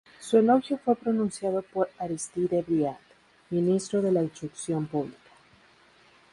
Su elogio fue pronunciado por Aristide Briand, ministro de la Instrucción pública.